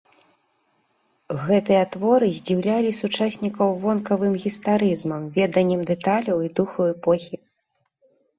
Гэтыя творы здзіўлялі сучаснікаў вонкавым гістарызмам, веданнем дэталяў і духу эпохі.